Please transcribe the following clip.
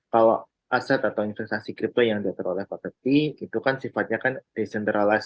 kalau aset atau investasi kripto yang diatur oleh bapt itu kan sifatnya kan decentralized kan